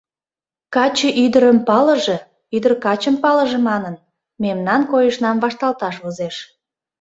Каче ӱдырым палыже, ӱдыр качым палыже манын, мемнан койышнам вашталташ возеш.